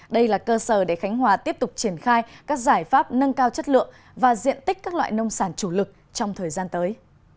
đây là cơ sở để khánh hòa tiếp tục triển khai các giải pháp nâng cao chất lượng và diện tích các loại nông sản chủ lực trong thời gian tới